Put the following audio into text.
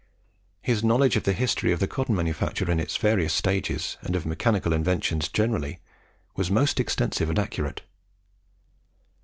His knowledge of the history of the cotton manufacture in its various stages, and of mechanical inventions generally, was most extensive and accurate.